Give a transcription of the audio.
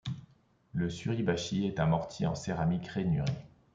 Le suribachi est un mortier en céramique rainuré.